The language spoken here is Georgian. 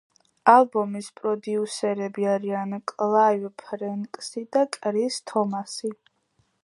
ალბომის პროდიუსერები არიან კლაივ ფრენკსი და კრის თომასი.